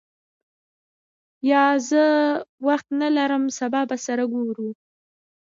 یا، زه نن وخت نه لرم سبا به سره ګورو.